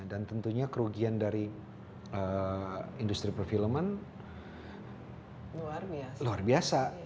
dan tentunya kerugian dari industri film luar biasa